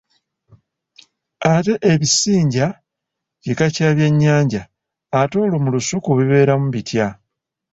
Naye ebisinja kika kya byannyanja, ate olwo mu lusuku bibeeramu bitya?